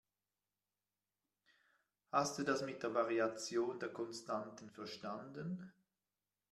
Hast du das mit der Variation der Konstanten verstanden?